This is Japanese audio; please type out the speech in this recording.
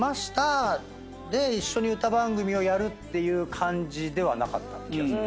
で一緒に歌番組をやるっていう感じではなかった気がする。